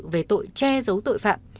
về tội che giấu tội phạm